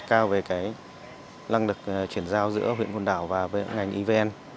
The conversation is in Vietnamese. cao về lăng lực chuyển giao giữa huyện côn đảo và ngành ivn